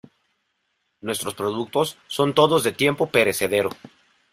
Nuestros productos son todos de tiempo perecedero.